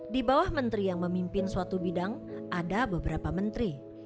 di bawah menteri yang memimpin suatu bidang ada beberapa menteri